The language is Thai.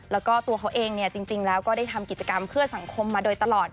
แล้วก็ตัวเขาเองจริงแล้วก็ได้ทำกิจกรรมเพื่อสังคมมาโดยตลอด